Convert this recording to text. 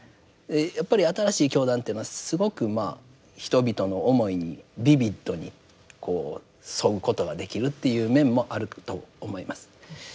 やっぱり新しい教団というのはすごくまあ人々の思いにビビッドにこう沿うことができるっていう面もあると思います。